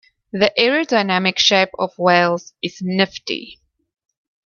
The aerodynamic shape of whales is nifty.